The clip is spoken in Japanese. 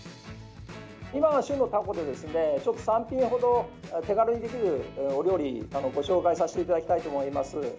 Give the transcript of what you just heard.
今が旬のタコで、３品ほど手軽にできるお料理をご紹介させていただきたいと思います。